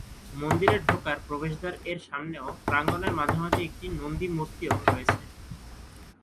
মন্দিরে ঢোকার প্রবেশদ্বার এর সামনে প্রাঙ্গণের মাঝামাঝি একটি নন্দী মূর্তিও রয়েছে।